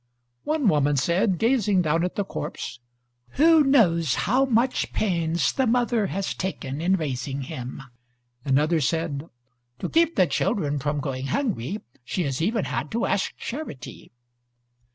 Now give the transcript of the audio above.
One woman said, gazing down at the corpse, "Who knows how much pains the mother has taken in raising him!" Another said, "To keep the children from going hungry she has even had to ask charity."